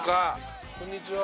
こんにちは。